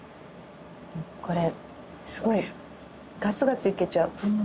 これすごいガツガツいけちゃう。